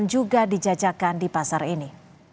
juga dijajakan di pasar ini